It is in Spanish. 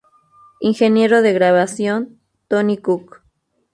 Ingeniero de grabación: Tony Cook.